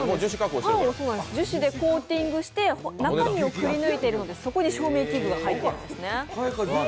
樹脂でコーティングして中身をくり抜いていてそこに照明器具が入っているんですね。